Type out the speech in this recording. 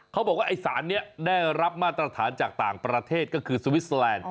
เขาบอกว่าไอ้สารนี้ได้รับมาตรฐานจากต่างประเทศก็คือสวิสเตอร์แลนด์